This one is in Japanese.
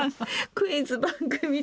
クイズ番組出